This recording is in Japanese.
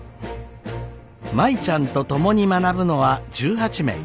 舞ちゃんと共に学ぶのは１８名。